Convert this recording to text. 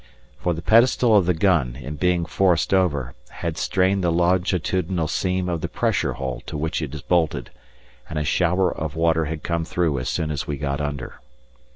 For the pedestal of the gun, in being forced over, had strained the longitudinal seam of the pressure hull, to which it is bolted, and a shower of water had come through as soon as we got under.